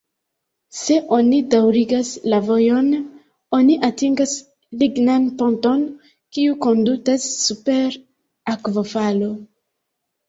Se oni daŭrigas la vojon oni atingas lignan ponton, kiu kondutas super akvofalo.